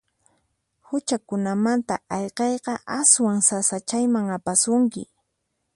Huchakunamanta ayqiyqa aswan sasachayman apasunki.